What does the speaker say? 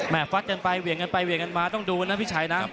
ฟัดกันไปเหวี่ยงกันไปเหวี่ยงกันมาต้องดูนะพี่ชัยนะ